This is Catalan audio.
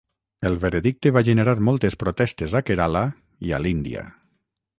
El veredicte va generar moltes protestes a Kerala i a l'Índia.